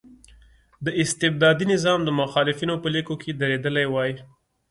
د استبدادي نظام د مخالفینو په لیکو کې درېدلی وای.